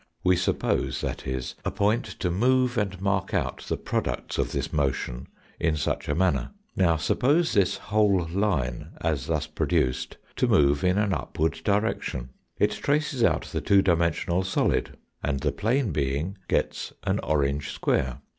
We suppose, that is, a point to move and mark out the products of this motion in such a manner. Now suppose this whole line as thus produced to move in an upward direction; it traces out the two dimensional solid, and the plane being gets an orange square.